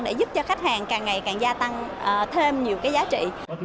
để giúp cho khách hàng càng ngày càng gia tăng thêm nhiều cái giá trị